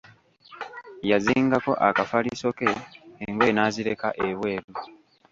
Yazingako akafaliso ke, engoye n'azireka ebweru.